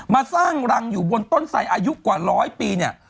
มาสร้างรังอยู่บนต้นไสอายุกว่าร้อยปีเนี่ย